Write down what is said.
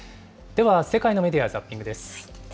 では世界のメディア・ザッピングです。